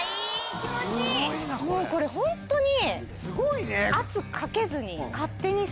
これホントに。